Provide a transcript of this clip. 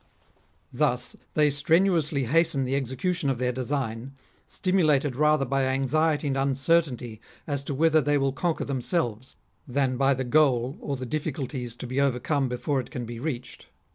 Thus they strenuously hasten the execution of their design, stimulated rather by anxiety and uncertainty as to whether they will con quer themselves, than by the goal or the difficulties to be overcome before it can be reached.